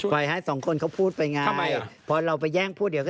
จนกระทั่งคนอื่นพูดไม่ได้ยิน